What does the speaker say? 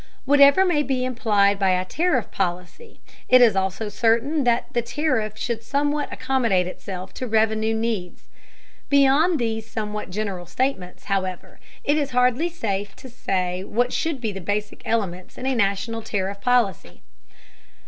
Whatever may be implied by a tariff "policy," it is also certain that the tariff should somewhat accommodate itself to revenue needs. Beyond these somewhat general statements, however, it is hardly safe to say what should be the basic elements in a national tariff policy.